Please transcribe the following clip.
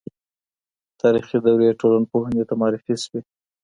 تاریخي دورې ټولنپوهنې ته معرفي سوې.